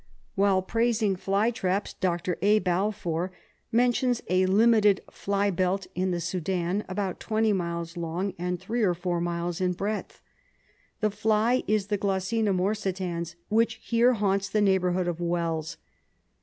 While praising fly traps. Dr. A. Balfour mentions a limited fly belt in the Sudan, about twenty miles long and three or four miles in breadth. The fly is the G. morsitavs, which here haunts the neighbourhood of wells.